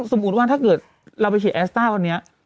สมมุติว่าถ้าเกิดเราไปฉีดแอสต้าวันนี้